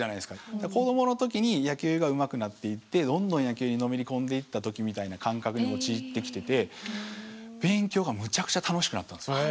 子どもの時に野球がうまくなっていってどんどん野球にのめり込んでいった時みたいな感覚に陥ってきてて勉強がむちゃくちゃ楽しくなったんですよ。